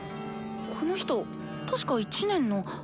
この人確か１年の。